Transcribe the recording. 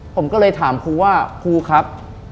ผมก็เลยถามครูว่าครูครับ